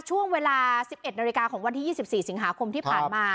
ช่วงเวลาสิบเอ็ดนาฬิกาของวันที่ยี่สิบสี่สิงหาคมที่ผ่านมา